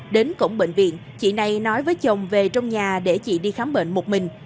đến cổng bệnh viện chị này nói với chồng về trong nhà để chị đi khám bệnh một mình